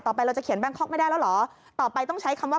ไปเราจะเขียนแบงคอกไม่ได้แล้วเหรอต่อไปต้องใช้คำว่า